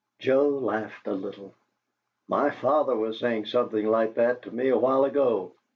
Joe laughed a little. "My father was saying something like that to me a while ago.